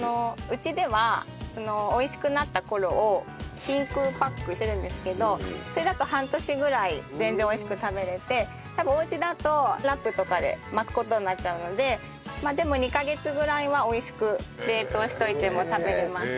うちでは美味しくなった頃を真空パックしてるんですけどそれだと半年ぐらい全然美味しく食べれて多分おうちだとラップとかで巻く事になっちゃうのでまあでも２カ月ぐらいは美味しく冷凍しておいても食べれます。